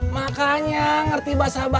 makanya ngerti bahasa bahasa